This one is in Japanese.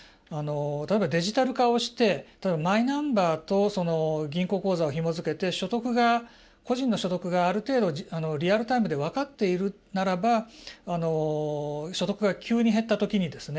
例えばデジタル化をして例えばマイナンバーと銀行口座をひもづけて個人の所得がある程度リアルタイムで分かっているならば所得が急に減ったときにですね